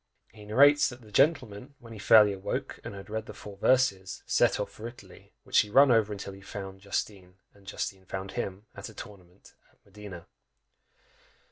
He narrates, that the gentleman, when he fairly awoke, and had read the "four verses," set off for Italy, which he run over till he found Justine, and Justine found him, at a tournament at Modena!